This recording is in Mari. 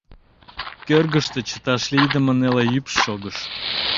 Кӧргыштӧ чыташ лийдыме неле ӱпш шогыш.